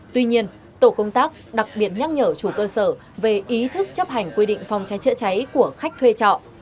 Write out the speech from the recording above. tuy nhiên tổ công tác đặc biệt nhắc nhở chủ cơ sở về ý thức chấp hành quy định phòng cháy chữa cháy của khách thuê trọ